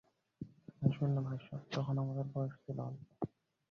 হাসবেন না ভাইসব, তখন আমাদের বয়স ছিল অল্প।